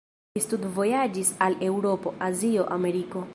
Li studvojaĝis al Eŭropo, Azio, Ameriko.